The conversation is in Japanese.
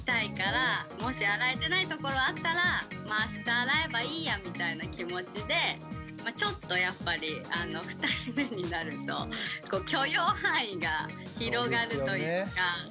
もし洗えてないところあったらあした洗えばいいやみたいな気持ちでちょっとやっぱり２人目になると許容範囲が広がるというか。